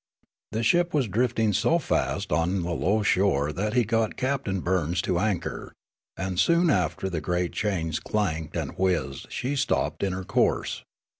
The ship was drifting so fast on the low shore that he got Captain Burns to anchor ; and soon after the great chains clanked and whizzed she had stopped in her course.